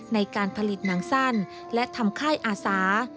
ในการผลิตหนังสั้นและทำค่ายอาสา